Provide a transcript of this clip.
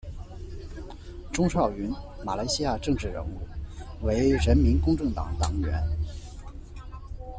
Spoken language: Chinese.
锺少云，马来西亚政治人物，为人民公正党党员。